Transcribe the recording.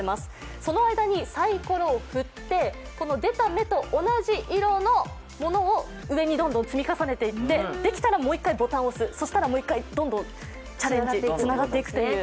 その間にさいころを振って出た目と同じ色のものを上にどんどん積み重ねていって、できたら、もう一回ボタンを押すとチャレンジがつながっていくと。